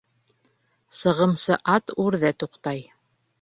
Сығымсы ат үрҙә туҡтай.